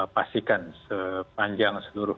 pastikan sepanjang seluruh